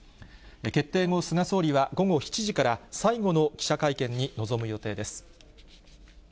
決定後菅総理は午後７時から最後の記者会見に臨む予定です。